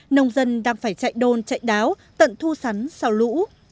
nông dân đang phải chạy đôn chạy đáo tận thu sắn sau lũ